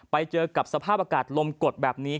ไปเจอกับสภาพอากาศลมกดแบบนี้